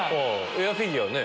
エアフィギュアね。